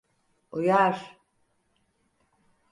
Uyar…